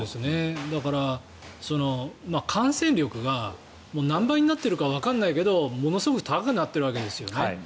だから、感染力が何倍になっているかわからないけどものすごく高くなっているわけですよね。